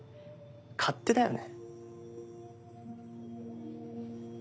勝手だよね。